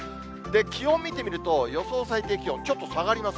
気温見てみると、予想最低気温、ちょっと下がります。